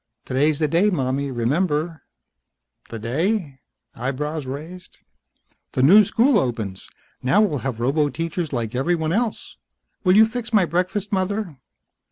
"Today's the day, mommy. Remember?" "The day?" Eyebrows raised. "The new school opens. Now we'll have roboteachers like everyone else. Will you fix my breakfast, mother?"